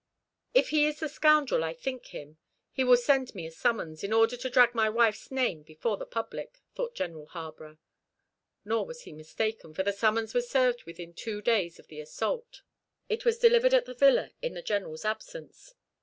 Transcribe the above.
"If he is the scoundrel I think him, he will send me a summons, in order to drag my wife's name before the public," thought General Harborough; nor was he mistaken, for the summons was served within two days of the assault. It was delivered at the villa in the General's absence.